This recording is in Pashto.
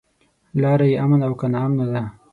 لاره يې امن او که ناامنه ده.